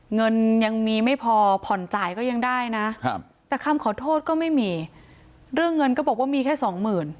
เงินยังมีไม่พอผ่อนจ่ายก็ยังได้นะแต่คำขอโทษก็ไม่มีเรื่องเงินก็บอกว่ามีแค่สองหมื่น